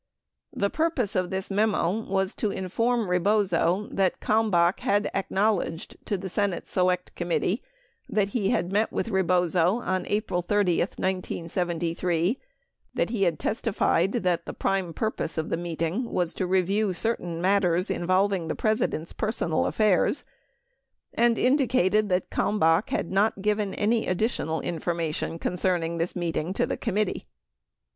The purpose of this memo was to inform Rebozo that Kalmbach had acknowledged to the Senate Select Committee that he had met with Rebozo on April 30, 1973, that he testified that the prime purpose of the meeting was to review certain matters involving the President's personal affairs, and indicated that Kalmbach had not given any addi tional information concerning this meeting to the committee.